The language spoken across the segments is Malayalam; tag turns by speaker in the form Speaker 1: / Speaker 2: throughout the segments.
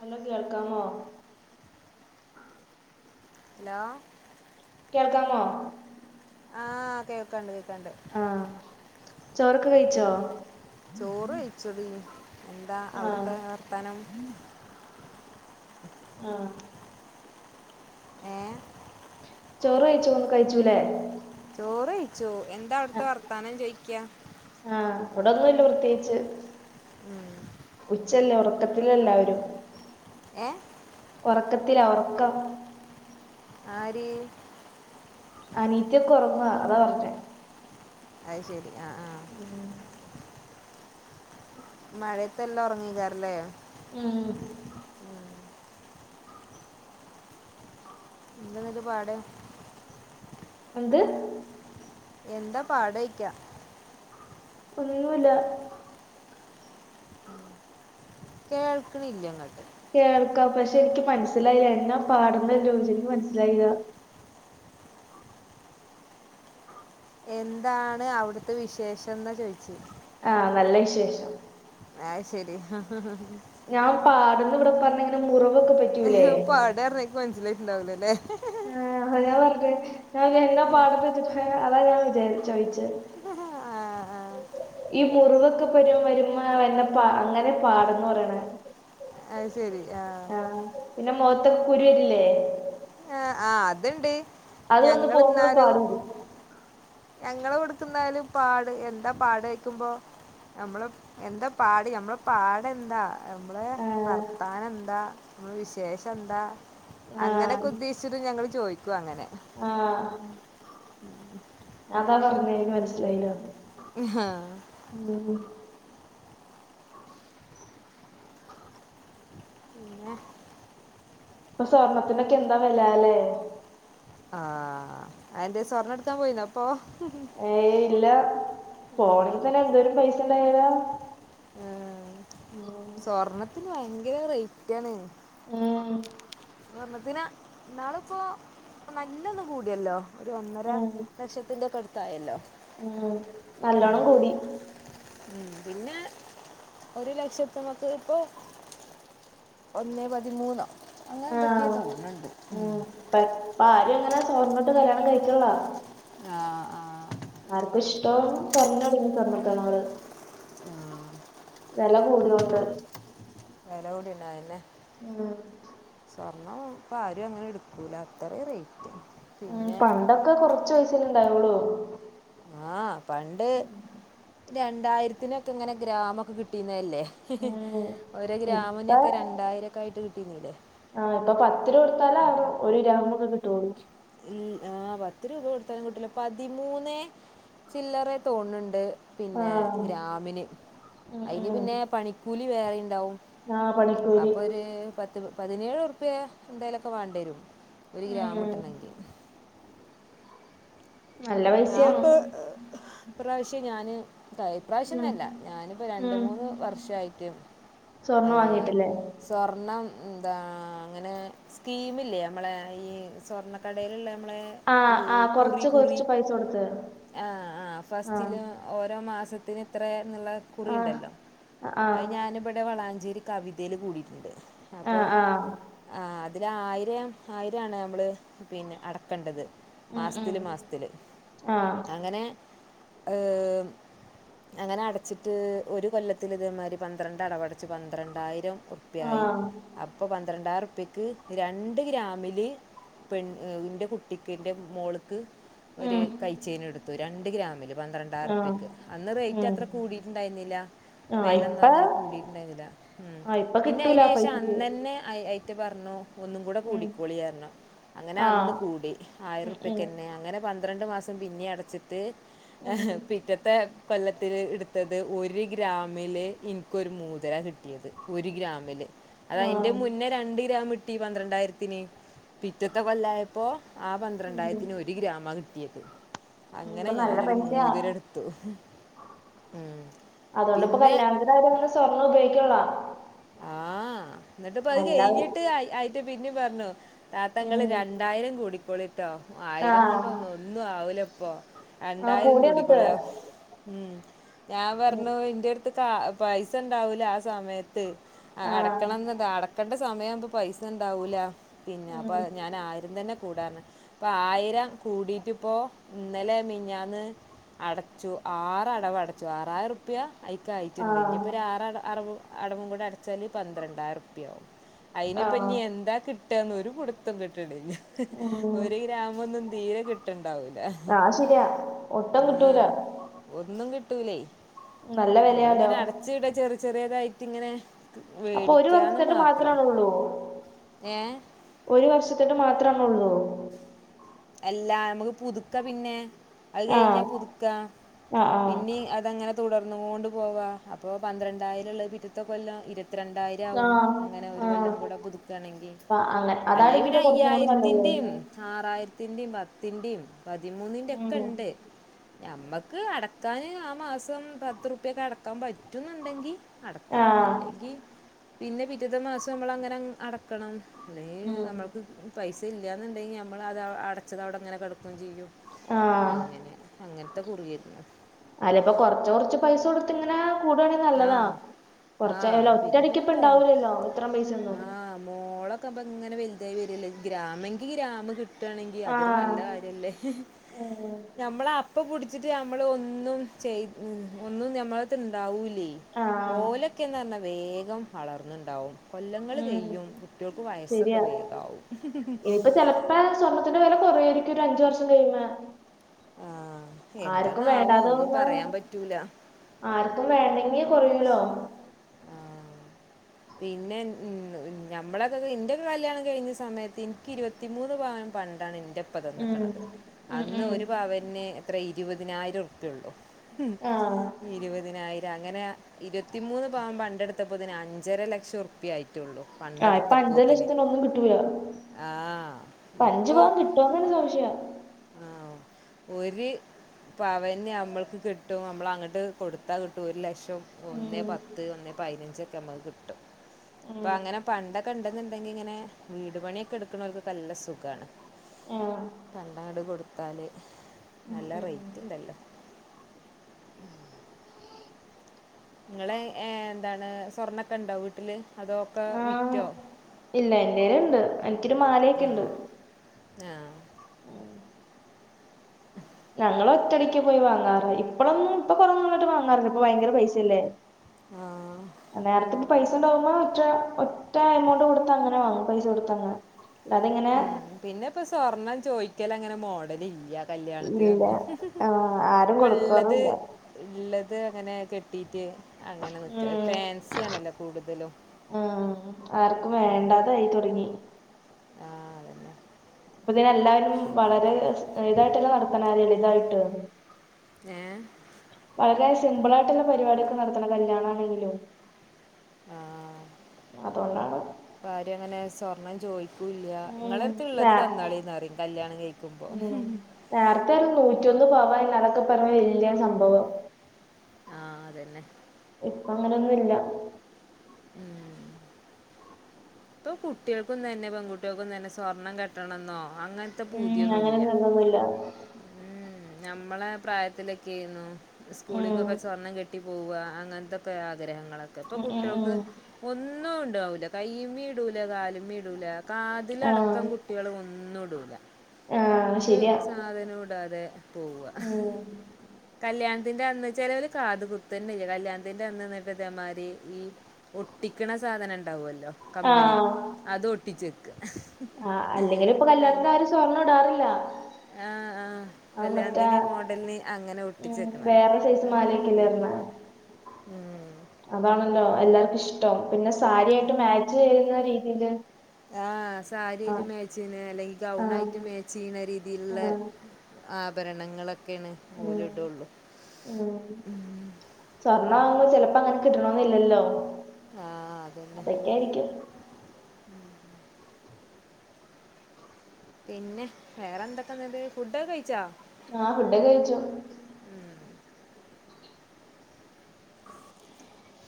Speaker 1: വല്ലോം കേൾക്കാമോ
Speaker 2: ഹലോ
Speaker 1: കേൾക്കാമോ
Speaker 2: ആഹ് കേൾക്കണ്ട് കേൾക്കണ്ട്
Speaker 1: ആഹ് ചോറൊക്കെ
Speaker 2: ഉം
Speaker 1: കഴിച്ചോ
Speaker 2: ചോറ് കഴിച്ചൊടി എന്താ
Speaker 1: ആഹ്
Speaker 2: അവിടുത്തെ വർത്താനം
Speaker 1: ആഹ്
Speaker 2: ഏഹ്
Speaker 1: ചോറ് കഴിച്ചോന്ന് കഴിച്ചൂല്ലേ
Speaker 2: ചോറ് കഴിച്ച് എന്താ അവിടുത്തെ
Speaker 1: ആഹ്
Speaker 2: വർത്താനം ചോയിക്കാ
Speaker 1: ആഹ് ഇവിടൊന്നുല്ല പ്രത്യേകിച്ച്.
Speaker 2: ഉം.
Speaker 1: ഉ ച്ചല്ലേ ഉറക്കത്തില എല്ലാവരും
Speaker 2: ഏഹ്
Speaker 1: ഒറക്കത്തില ഒറക്കം
Speaker 2: ആര്?
Speaker 1: അനീത്തിയൊക്കെ ഉറങ്ങ അതാ പറഞ്ഞേ
Speaker 2: അത് ശെരി ആഹ്
Speaker 1: ഉം
Speaker 2: മഴയത്തെല്ലാം ഉറങ്ങേക്കാരല്ലേ
Speaker 1: ഉം
Speaker 2: എന്താ എന്നിട്ട് പാട്
Speaker 1: എന്ത്
Speaker 2: എന്താ പാടോയിക്ക
Speaker 1: ഒന്നുല്ല
Speaker 2: കേൾക്ക്ണില്ലങ്ങട്ട്
Speaker 1: കേൾക്കാം പക്ഷെ എനിക്ക് മനസ്സിലായില്ല എന്നാ പാടുന്ന ചോയിച്ച് എനിക്ക് മനസ്സിലായില്ലാ
Speaker 2: എന്താണ് അവിടുത്തെ വിശേഷെന്ന ചോയിച്ച്
Speaker 1: ആഹ് നല്ല വിശേഷം
Speaker 2: അയ് ശെരി
Speaker 1: ഞാൻ പാടന്ന് ഇവിടെ പറഞ്ഞ മുറിവൊക്കെ പ
Speaker 2: പാട് ർഞ്ഞാ ൻക്ക് മൻസ്സിലായിട്ടുണ്ടാവൂലല്ലേ
Speaker 1: ഏഹ് അത് ഞാൻ പർഞ്ഞ് ഞാൻ എന്താ പാട്ന്നോയ്ച്ചിട്ട് അതാ ഞാൻ വിചാരി ചോയ്ച്ചെ
Speaker 2: ആ ആ
Speaker 1: ഈ മുറിവൊക്കെപ്പെരു വര്മാ വര്ണ പാ അങ്ങനെ പാടെന്ന് പറയ്ണേ
Speaker 2: അത് ശെരി ആഹ്
Speaker 1: ആഹ് പിന്നെ മാെഖത്തൊക്കെ കുരു വര്ല്ലേ
Speaker 2: ആ ആ അതുണ്ട്
Speaker 1: അത് വന്ന്
Speaker 2: ഞങ്ങള്
Speaker 1: പോവ്മ്പളും പാട് വെരും
Speaker 2: ഞങ്ങളെവെട്ക്ക് ഇന്നാൽ പാട് എന്താ പാടോയ്ക്കുമ്പോ നമ്മെള് എന്താ പാട് ഞമ്മെളെ പാടെന്താ നമ്മെളെ
Speaker 1: ആഹ്
Speaker 2: വർത്താനെന്താ മ്മള് വിശേഷെന്താ
Speaker 1: ആഹ്
Speaker 2: അങ്ങനെക്കെ ഉദ്ദേശ് ചിട്ട് ഞങ്ങെള് ചോയ്ക്കും അങ്ങെനെ
Speaker 1: ആഹ് അതാ പർഞ്ഞേ എനിക്ക് മൻസ്സ്ലായ്ല്ലാന്ന്
Speaker 2: ഹാ
Speaker 1: [unintelligible]
Speaker 2: പിന്നെ
Speaker 1: ഇപ്പം സ്വർണ്ണത്തിനൊക്കെ എന്താ വെലാ ലേ
Speaker 2: ആഹ് അതെന്തേ സ്വർണട്ക്കാൻ പോയീന്നോപ്പൊ
Speaker 1: ഏയ് ഇല്ലാ പോണെങ്കി തന്നെ എന്തോരു പൈസ്
Speaker 2: ഏ
Speaker 1: [unintelligible]
Speaker 2: സ്വർണ്ണത്തിന് ഭയെങ്കെരെ റെയ്റ്റാണ്
Speaker 1: ഉം
Speaker 2: സ്വർണത്തിന് ഇന്നാള്പ്പോ നല്ലാെന്ന് കൂട്യല്ലോ ഒര് ഒന്നര
Speaker 1: ഉം
Speaker 2: ലക്ഷത്തിന്റെക്കെ അട്ത്തായല്ലോ
Speaker 1: ഉം നല്ലോണം കൂടി
Speaker 2: ഉം പിന്നെ ഒര് ലക്ഷത്ത്മ്മക്ക് ഇപ്പൊ ഒന്നേ പതിമൂന്നോ അങ്ങെനെന്തൊക്കേ തോൺണ്ട് ഉം
Speaker 1: പ്പെ ഇപ്പ ആരും ങ്ങെനെ സ്വർണട്ട് കല്യാണം കഴിക്കണ്ള്ള
Speaker 2: ആഹ് ആഹ്
Speaker 1: ആർക്കും‌ ഇഷ്ട്ടോം കൊർഞ്ഞോട്ങ്ങി സ്വർണ്ണത്ത്നോട്
Speaker 2: ആഹ്
Speaker 1: വെല കൂട്യോണ്ട്
Speaker 2: വെല കൂട്യല്ലാേ അതെന്നെ
Speaker 1: ഉം
Speaker 2: സ്വർണം ഇപ്പാരും അങ്ങെനെ ഇട്ക്കൂലാ അത്രേം റെയ്റ്റ്
Speaker 1: ഉം പണ്ടൊക്കെ കൊർച്ച് പൈസല്ലേ ണ്ടായൊള്ളൂ
Speaker 2: ആഹ് പണ്ട് രണ്ടായിര്ത്തിനൊക്കെ ങ്ങെനെ ഗ്രാമൊക്കെ കിട്ടീന്നെല്ലേ
Speaker 1: ഉം
Speaker 2: ഒരാേ
Speaker 1: ഇപ്പ
Speaker 2: ഗ്രാമിനൊക്കെ രണ്ടായിരാെക്കായിട്ട് കിട്ടീന്നില്ലേ
Speaker 1: ആഹ് ഇപ്പൊ പത്ത് രൂപ കൊട്ത്താലാകെ ഒര് ഗ്രാമാെക്കെ കിട്ടാേള്ളൂ
Speaker 2: ഉം ആഹ് പത്ത് രൂപ കൊട്ത്താലും കിട്ടൂലാ പതിമൂന്നേ ചില്ലെറെ തോൺണ്ട് പിന്നെ
Speaker 1: ആഹ്
Speaker 2: ഗ്രാമിന്
Speaker 1: ഉം
Speaker 2: അയ്ന്
Speaker 1: ഉം
Speaker 2: പിന്നെ പണി കൂലി വേറിണ്ടാവും
Speaker 1: ആഹ് പണിക്കൂലി
Speaker 2: അപ്പൊര് പത്ത് പതിനേഴുറ്പ്പ്യ എന്തായാലൊക്കെ വാണ്ട്യെരും ഒരു ഗ്രാമ്
Speaker 1: ഉം
Speaker 2: ഞാൻ
Speaker 1: പൈസിയാണോ
Speaker 2: ഇപ്പൊ ഇപ്രാവശ്യം ഞാന്
Speaker 1: ഉം
Speaker 2: ഇപ്രാവശ്യംന്നല്ല ഞാന്പ്പം രണ്ട്
Speaker 1: ഉം
Speaker 2: മൂന്ന് വർഷായിട്ട്
Speaker 1: സ്വർണം വാങ്ങീട്ടില്ലേ
Speaker 2: സ്വർണം ന്താ അങ്ങെനെ സ്കീമില്ലേ അമ്മെളെ ഈ സ്വർണ്ണക്കടേല്ള്ളെ അമ്മെളേ
Speaker 1: ആഹ് ആഹ് കൊർച്ച് കൊർച്ച് പൈസാെട്ത്ത്
Speaker 2: ആഹ് ആഹ് ഫസ്റ്റില് ഓരോ മാസത്തിന് ഇത്രേന്ന്ള്ളെ
Speaker 1: ആ
Speaker 2: കുറിയ്ണ്ടല്ലോ
Speaker 1: ആ
Speaker 2: അത് ഞാനിബ്ടെ വളാഞ്ചേരി കവിതേല് കൂടീട്ട്ണ്ട്
Speaker 1: ആ
Speaker 2: ആപ്പോ
Speaker 1: ആ
Speaker 2: ആഹ് അതിലായ്രം ആയ്രാണ് നമ്മള് പിന്നെ അടക്കണ്ടത് മാസ്ത്ത്ല് മാസ്ത്ത്ല്
Speaker 1: ആഹ്
Speaker 2: അങ്ങനെ ഏഹ് അങ്ങനെ അടച്ച്ട്ട് ഒര് കൊല്ലത്ത്ലിതേമാരി പന്ത്രണ്ടടവട ച്ച് പന്ത്രണ്ടായ്രം
Speaker 1: ആ
Speaker 2: റുപ്പ്യായ് അപ്പൊ പന്ത്രണ്ടായ്റുപ്പ്യക്ക് രണ്ട് ഗ്രാമില് പെൺ എഹ് ഇന്റെ കുട്ടിക്ക്ന്റെ മോള്ക്ക് ഒര്
Speaker 1: ഉം
Speaker 2: കൈചെയ്നെട്ത്ത് എട്ത്തു രണ്ട് ഗ്രാമില്
Speaker 1: ആ
Speaker 2: പന്ത്രണ്ടായ്റുപ്പ്യക്ക് അന്ന് റേറ്റ്
Speaker 1: ഉം
Speaker 2: അത്ര കൂടിട്ട്ണ്ടായ്ന്ന്ല്ല
Speaker 1: ആ ഇപ്പ
Speaker 2: വെലൊന്നുങ്ങനെ കൂടിട്ട്ണ്ടാര്ന്ന്ല്ല ഉം
Speaker 1: ആ ഇപ്പ കിട്ടൂല
Speaker 2: പിന്നയ്ന്
Speaker 1: ആ
Speaker 2: ശേഷം
Speaker 1: പൈസക്ക്
Speaker 2: അന്നന്നെ ആയ് അയ്ത്താ പർഞ്ഞു ഒന്നും കൂടെ
Speaker 1: ഉം
Speaker 2: കൂടിക്കോളിർഞ്ഞു അങ്ങനെ
Speaker 1: ആ
Speaker 2: അന്ന് കൂടി
Speaker 1: ഉം ഉം
Speaker 2: ആയ്റുപ്യക്കന്നെ അങ്ങനെ പന്ത്രണ്ട് മാസ് സം പിന്നെയടച്ച്ട്ട്
Speaker 1: ഉം
Speaker 2: എഹ് പിറ്റത്തെ കൊല്ലത്ത്ല് എടുത്തത് ഒരു ഗ്രാ ഗ്രാമില് ൻക്കൊര് മോതിരാ കിട്ട്യത് ഒര് ഗ്രാമില്
Speaker 1: ആ
Speaker 2: അതയ്ന്റെ മുന്നേ രണ്ട് ഗ്രാമ്ട്ടി പന്ത്രണ്ടായ്രത്ത്ന് പിറ്റത്തെ കൊല്ലായപ്പോ ആഹ്
Speaker 1: ഉം ഉം
Speaker 2: പന്ത്രണ്ടായ്രത്ത്ന് ഒര് ഗ്രാമ കിട്ട്യത് അങ്ങനെ
Speaker 1: ഇപ്പൊ നല്ല
Speaker 2: ഞാനൊര്
Speaker 1: പൈസയാ
Speaker 2: മോതിരെട്ത്തു ഉം പിന്നെ
Speaker 1: ന്തായാലുംമ്മടെ സ്വർണ്ണോപയോഗിക്ക്യാന്ള്ളതാ
Speaker 2: ആഹ് എന്ന്ട്ട്പ്പയ്
Speaker 1: അല്ലാതെ
Speaker 2: കയ്ഞ്ഞ്ട്ട് ആയ് ആയ്ത്ത പിന്നേം പർഞ്ഞു താത്തങ്ങള്
Speaker 1: ഉം
Speaker 2: രണ്ടായ്രം കൂടിക്കൊള്ട്ടോ
Speaker 1: ആ
Speaker 2: ആയ്രം കൊണ്ടൊന്നും ഒന്ന്വാവൂല്ല്പ്പോ
Speaker 1: ആ
Speaker 2: രണ്ടായ്രം
Speaker 1: കൂടി അങ്ങട്ട്
Speaker 2: കൂട്ക്കോള്യ ഉം ഞാൻ
Speaker 1: ഉം
Speaker 2: പർഞ്ഞു ഇന്റെടുത്ത് ട്ത്താ പൈസണ്ടാവൂല ആഹ് സമയത്ത് ആഹ്
Speaker 1: ആ
Speaker 2: അടക്കണംന്ന് അടക്കണ്ട സമയാമ്പൊ പൈസണ്ടാവൂല പിന്നെ അപ്പോ
Speaker 1: ഉം
Speaker 2: അഹ് ഞാൻ ആയ്രംതന്നെ കൂടാർന്ന് പ്പആയ്രം കൂടിട്ട്പ്പോ ഇന്നലെ മിൻഞ്ഞാന്ന് അടച്ചു ആറടവ് അടച്ചു ആറായ്റുപ്യ
Speaker 1: ആ
Speaker 2: അയ്ക്കായ്റ്റ്ണ്ട് ഇഞ്ഞ്പ്പോര് ആറട അറവു അടവുംകൂടെ അടച്ചാല് പന്ത്രണ്ടായ്റുപ്യയാവും
Speaker 1: ആ
Speaker 2: അയ്നിപ്പഞ്ഞി എന്താ കിട്ട്വാന്ന് ഒര് പുട്ത്തം കിട്ട്ണ്ല്യാ
Speaker 1: ഉം
Speaker 2: ഒര്ഗ്രാമൊന്നും തീരെ കിട്ടൺണ്ടാവൂല
Speaker 1: ആ ശരിയാ ഒട്ടും
Speaker 2: ആഹ്
Speaker 1: കിട്ടൂല
Speaker 2: ഒന്നും കിട്ടൂലേ
Speaker 1: നല്ല വിലയാലോ
Speaker 2: നമ്മള്ങ്ങനെ അടച് ച്ച്ടാ ചെറ് ചെറിയതായ്ട്ട്ങ്ങനെ
Speaker 1: അപ്പൊ ഒര് വർഷത്തേക്ക് മാത്രണൊള്ളൂ
Speaker 2: ഏ
Speaker 1: ഒര് വർഷത്തെട്ട് മാത്രണൊള്ളൂ
Speaker 2: അല്ലാ മ്മക്ക് പുതുക്കപിന്നെ അത്
Speaker 1: ആഹ്
Speaker 2: കയ്ഞ്ഞാ പുതുക്കാം
Speaker 1: ആഹ് ആഹ്
Speaker 2: പിന്നിം അതങ്ങനെ തുടർന്നോണ്ട് പോവാ അപ്പോ പന്ത്രണ്ടായ്രൊള്ളെ പിറ്റത്തെ കൊല്ലം ഇര്ത്രണ്ടായ്ര രാവും
Speaker 1: ആഹ്
Speaker 2: അങ്ങനെ ഒര്
Speaker 1: ആഹ്
Speaker 2: കൊല്ലം കൂടെ പുതുക്കാണെങ്കി
Speaker 1: അപ്പ അങ്ങനെ
Speaker 2: അല്ലേ പിന്നെ
Speaker 1: അതാണെങ്കിലോ കുറച്ചും കൂടി നല്ലത്
Speaker 2: അയ്യായ്രത്ത്ന്റേം ആറായ്ര ത്ത്ന്റേം പത്ത്ന്റേം
Speaker 1: ഉം
Speaker 2: പതിമൂന്ന്ന്റെക്കെണ്ട് ഞമ്മക്ക് അടക്കാന് ആഹ് മാസം പത്ത്റുപ്യക്കെടക്കാപറ്റുന്ന്ണ്ടെങ്കി അടക്കാ
Speaker 1: ആഹ്
Speaker 2: അല്ലെങ്കി പിന്നെ പിറ്റത്തെ മാസമ്മ്ളങ്ങനങ്ങ് അടക്കണം ഇല്ലെ
Speaker 1: ഉം
Speaker 2: നമ്മൾക്ക് പൈസല്ല്യാന്ന്ണ്ടെങ്കി ഞമ്മളാ ദാ അടച്ചതവടങ്ങനെ കെട്ക്കും ചെയ്യും
Speaker 1: ആഹ്
Speaker 2: അങ്ങനെ അങ്ങൻത്തെ കുറ്യാര്ന്ന്
Speaker 1: അല്ല്പ്പൊ കൊർച്ച കൊറച്ച് പൈസ കൊട്ത്ത്ങ്ങനെ കൂട്വാണെ
Speaker 2: ആ.
Speaker 1: നല്ലതാ
Speaker 2: ആ.
Speaker 1: കൊറച്ചായാലും
Speaker 2: പിന്നെ
Speaker 1: ഒറ്റടിക്ക്
Speaker 2: പിന്നെ മോ
Speaker 1: ഇപ്പണ്ടാവൂല്ല്ലോ ഇത്ര പൈസൊന്നും
Speaker 2: ത്തൊപ്പ്ങ്ങനെ വെൽതായ് വെര്യല്ലേ ഗ്രാമെങ്കി ഗ്രാമ് കിട്ട് ട്ട്വാണെങ്കി അതൊര്
Speaker 1: ആഹ്
Speaker 2: നല്ല കാര്യല്ലേ
Speaker 1: ഉം
Speaker 2: ഞമ്മളെ അപ്പപുട്ച്ച്ട്ട് ഞമ്മള് ഒന്നും ചെയ് ഉം ഒന്നും ഞമ്മള്ട്ത്ത്ണ്ടാവൂല്യേ
Speaker 1: ആഹ്
Speaker 2: ഓലൊക്കെന്നർഞ്ഞാ വേഗം വളർന്ന്ണ്ടാവും കൊല്ലങ്ങൾ
Speaker 1: ഉം
Speaker 2: കെയ്യും കുട്ടെൾക്ക് വയസ്സൊക്കെ വേഗാവും
Speaker 1: ചെലപ്പോ സ്വർണ്ണത്തിന്റെ വില കുറേയിരിക്കും ഒരഞ്ച് വർഷം കഴിയ്പ
Speaker 2: ആ
Speaker 1: ആർക്കും
Speaker 2: എന്താന്നാവോ
Speaker 1: വേണ്ടാതെ
Speaker 2: ഒന്നും
Speaker 1: ഒന്ന
Speaker 2: പറയാൻ പറ്റൂല.
Speaker 1: ആർക്കും വേണ്ടെങ്കി കുറയൂലോ
Speaker 2: ആഹ് പിന്നെ ഉം ഞമ്മളൊക്കെ ഇന്റെക്കെ കല്ല്യാണം കഴിഞ്ഞ സമയത്ത് ഇൻക്കിരുവത് വത്തിമൂന്ന് പവൻ പണ്ടാണ് ഇൻ്റെപ് ന്റെപ്പ
Speaker 1: ഉം
Speaker 2: തന്ന്ക്ക്ണത്
Speaker 1: ഉം
Speaker 2: അന്ന്
Speaker 1: ഉം
Speaker 2: ഒരു പവന്ന് എത്ര ഇരുപതിനായിരം ഉർപ്യള്ളു ഉം
Speaker 1: ആഹ്
Speaker 2: ഇരുപതിനായിരം അങ്ങനെ ഇരത്തിമൂന്ന് പവം പണ്ടെട്ത്തപ്പോത്തിന് അഞ്ച് ഞ്ചര ലക്ഷൊർപ്പ്യയിറ്റൊള്ളൂ
Speaker 1: ആഹ് ഇപ്പൊ അഞ്ചു
Speaker 2: പണ്ടട്ത്തപ്പോത്തിന്
Speaker 1: ലക്ഷത്തിന് ഒന്നും കിട്ടൂല
Speaker 2: ആഹ് ഇപ്പോ
Speaker 1: പ്പങ്ങനെ സംശയ
Speaker 2: ആഹ് പവന്ന് ഞമ്മൾക്ക് കിട്ടും ഞമ്മളങ്ങട്ട് കൊടുത്താ കിട്ടും ഒരു ലക്ഷം
Speaker 1: ഉം
Speaker 2: ഒന്നേപത്ത് ഒന്നേപൈനഞ്ചെക്കെ മ്മക്ക് കിട്ടും.
Speaker 1: ഉം
Speaker 2: പ്പങ്ങനെ പണ്ടൊക്കെണ്ടെന്നുണ്ടെങ്കിങ്ങനെ വീട് പണിയൊക്കെ എട്ക്ക് ണോൽക്കൊക്കെ നല്ല സുഖാണ്
Speaker 1: ആഹ്
Speaker 2: ആണ്ട് കൊടുത്താല്
Speaker 1: ഉം
Speaker 2: നല്ല
Speaker 1: ഉം ഉം
Speaker 2: റേറ്റ്ണ്ടല്ലോ ഇങ്ങളെ ഏഹ് ന്താണ് സ്വർണ്ണൊക്കെണ്ടോ വീട്ട്ല് അതോക്കെ
Speaker 1: ആഹ്
Speaker 2: വിറ്റോ?
Speaker 1: ഇല്ല എന്റേലിണ്ട് എനിക്കൊരു
Speaker 2: ഉം.
Speaker 1: മാലയെക്കെണ്ട്
Speaker 2: ആ
Speaker 1: ഞങ്ങൾ ഒറ്റയടിക്ക് പോയി വാങ്ങാറ് ഇപ്പോഴൊന്നും ഇപ്പൊഴൊന്നും കുറേ നാളായിട്ട് വാങ്ങാറില്ല ഇപ്പ ഭയങ്കര പൈസയല്ലേ
Speaker 2: ആ.
Speaker 1: നേരത്തെ പൈസ ഉണ്ടാവുമ്പോ ഒറ്റ എമൗണ്ട് കൊടുത്ത് അങ്ങനെ വാങ്ങും പൈസ കൊടുത്ത് അങ്ങനെ അത് ഇങ്ങനെ
Speaker 2: ഉം. പിന്നെ ഇപ്പ സ്വർണ്ണം ചോദിക്കൾ അങ്ങനെ മോഡൽ ഇല്ല
Speaker 1: ഇല്ല
Speaker 2: കല്യാണത്തിനൊന്നും
Speaker 1: ആഹ് ആരും
Speaker 2: ഇപ്പ ഉള്ളത്
Speaker 1: കൊടുക്കാറുല്ല
Speaker 2: ഉള്ളത് അങ്ങനെ കെട്ടീട്ട് അങ്ങനെ നിൽക്ക ഫാൻസി ആണല്ലോ കൂടുതലും
Speaker 1: ആ ആർക്കും വേണ്ടാതായി തുടങ്ങി
Speaker 2: ആ അതന്നെ
Speaker 1: ഇപ്പൊ ഇതിനെ എല്ലാവരും വളരെ ഇതായിട്ടെല്ലാം നടത്തണ ചെറുതായിട്ട്
Speaker 2: ഏ
Speaker 1: വളരെ സിമ്പിൾ ആയിട്ടുള്ള പരിപാടൊക്കെ നടത്തണം കല്യാണം ആണെങ്കിലും
Speaker 2: ആ
Speaker 1: അതുകൊണ്ടാണ്
Speaker 2: ആരും അങ്ങനെ സ്വർണ്ണം ചോദി- ഇല്ല
Speaker 1: ഉം
Speaker 2: നിങ്ങൾ അടുത്ത്
Speaker 1: നേ
Speaker 2: ഉള്ളത് തന്നാളിന്ന് പറയും കല്യാണം കഴിക്കുമ്പോ
Speaker 1: ഉം നേരത്തെ ഒരു നൂറ്റൊന്ന് പവൻ അതൊക്കെ പറഞ്ഞ വലിയ സംഭവ
Speaker 2: ആ അതന്നെ
Speaker 1: ഇപ്പൊ അങ്ങനെയൊന്നുമില്ല.
Speaker 2: ഉം. ഇപ്പൊ കുട്ടികൾക്കും തന്നെ പെൺകുട്ടികൾക്കും തന്നെ സ്വർണ്ണം കെട്ടണമെന്നോ അങ്ങനത്തെ
Speaker 1: ഉം
Speaker 2: പൂതിയൊന്നും ഇല്ല
Speaker 1: [inaudible]
Speaker 2: ഉം നമ്മളെ പ്രായത്തിലൊക്കെ ആയിരുന്നു
Speaker 1: ഉം
Speaker 2: സ്കൂളിലൊക്കെ സ്വർണം കിട്ടി കിട്ടി പോവാ അങ്ങനത്തെൊക്കെ ആഗ്രഹങ്ങളൊക്കെ ഇപ്പൊ
Speaker 1: ഉം ഉം
Speaker 2: കുട്ടികൾക്ക്
Speaker 1: ഉം
Speaker 2: ഒന്നും ഉണ്ടാവൂല്ല കൈയിമേ ഇടൂല കാലമേ ഇടൂല കാതിൽ
Speaker 1: ആഹ്
Speaker 2: അടക്കം കുട്ടികൾ ഒന്നും ഇടൂല
Speaker 1: ആഹ്
Speaker 2: ഒരു
Speaker 1: ശരിയാ
Speaker 2: സാധനം ഇടാതെ പോവുക
Speaker 1: ഉം
Speaker 2: കല്യാണത്തിന്റെ അന്ന് ചിലവർ കാത് കുത്തന്നില്ല കല്യാണത്തിന്റെ അന്ന് നിന്നിട്ട് ഇതേമാതിരി ഈ ഒട്ടിക്കണ സാധനം ഉണ്ടാവല്ലോ കമ്മൽ
Speaker 1: ആഹ്
Speaker 2: അത് ഒട്ടിച്ചെക്കാ
Speaker 1: ആ അല്ലെങ്കിലും ഇപ്പൊ കല്യാണത്തിന് ആരും സ്വർണം ഇടാറില്ല
Speaker 2: ആഹ് ആഹ്
Speaker 1: ആ
Speaker 2: കല്യാണതിന്
Speaker 1: മറ്റേ
Speaker 2: മോഡൽന് അങ്ങനെ
Speaker 1: ഉം
Speaker 2: ഒട്ടിച്ചെക്കുന്ന കാണാ
Speaker 1: വേറെ സൈസ്
Speaker 2: അങ്ങനെ
Speaker 1: മാലയൊക്കെ അല്ലേ
Speaker 2: കണ്ടേണ്ട്
Speaker 1: ഇടുന്നെ അതാണല്ലോ എല്ലാർക്കും ഇഷ്ട്ടൊ പിന്നെ സാരിയായിട്ട് മാച്ച് ചെയ്യുന്ന രീതിയില്.
Speaker 2: ആ
Speaker 1: ആ
Speaker 2: സാരിയായിട്ട് മാച്ച് ചെയ്യ്ണ അല്ലെങ്കി
Speaker 1: ആ
Speaker 2: ഗൗൺ ആയിട്ട് മാച്ച് ചെയ്യണ രീതിയില്ള്ള
Speaker 1: ആ
Speaker 2: ആഭരണങ്ങളൊക്കേണ് ഓല്
Speaker 1: ഉം
Speaker 2: ഇടൊള്ളൂ
Speaker 1: ഉം സ്വർണമാവുമ്പ ചെൽപ്പങ്ങനെ കിട്ട് ണോന്നില്ലല്ലോ
Speaker 2: ആ അതന്നെ
Speaker 1: അതൊക്കേയിരിക്കും
Speaker 2: പിന്നെ വേറെന്തൊക്കെ ന്നത് ഫുഡൊക്കെ കഴിച്ചാ
Speaker 1: ആ ഫുഡൊക്കെ കഴിച്ചു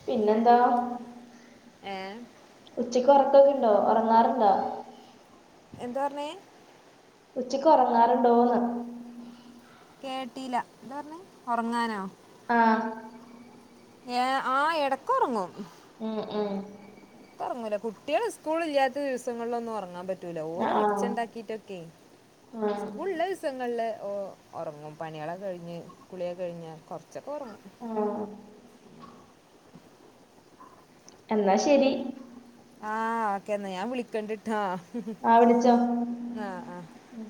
Speaker 1: പിന്നെന്താ
Speaker 2: ഏ
Speaker 1: ഉച്ചയ്ക്ക് ഒറക്കൊക്കെ ഇണ്ടോ ഒറങ്ങാറുണ്ടോ
Speaker 2: എന്താ പറ്ഞ്ഞെ
Speaker 1: ഉച്ചയ്ക്ക് ഒറങ്ങാറുണ്ടോന്ന്
Speaker 2: കേട്ടീല്ല എന്താ പറ്ന്നെ ഒറ്ങ്ങാനോ
Speaker 1: ആഹ്
Speaker 2: ഏഹ് ആഹ് എടയ്ക്ക് ഒറങ്ങും
Speaker 1: ഉം ഉം
Speaker 2: ഇപ്പൊറങ്ങൂല കുട്ട്യേള് സ്കൂൾ ഇല്ലാത്ത ദിവസങ്ങളിലൊന്നും ഒറങ്ങാൻ പറ്റ് റ്റൂല
Speaker 1: ആ
Speaker 2: ഓല്
Speaker 1: ആ
Speaker 2: ഒച്ച ഇണ്ടാക്കിട്ടൊക്കെ
Speaker 1: ആ
Speaker 2: ഫുൾ സങ്ങളില് ഓ ഒറങ്ങും പണ്യേളൊക്കെ കഴിഞ്ഞ് കുളിയൊക്കെ കഴിഞ്ഞ് കൊറച്ചൊക്കെ ഒറങ്ങും.
Speaker 1: അഹ് എന്നാ ശരി
Speaker 2: ആഹ് ഓക്കെന്നാ ഞാൻ വിളിക്കണ്ട്ട്ടാ
Speaker 1: ആ വിളിച്ചോ
Speaker 2: ആഹ് ആഹ്
Speaker 1: ഉം